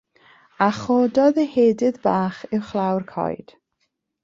A chododd ehedydd bach uwchlaw'r coed.